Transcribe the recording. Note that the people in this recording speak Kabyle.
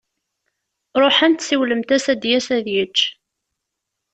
Ṛuḥemt, siwlemt-as ad d-yas ad yečč.